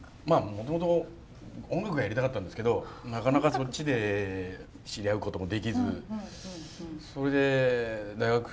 もともと音楽がやりたかったんですけどなかなかそっちで知り合うこともできずそれで大学３年生の時かな？